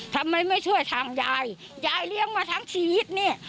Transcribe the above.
ทำไมไม่ช่วยทางยายยายเลี้ยงมาทั้งชีวิตเนี่ย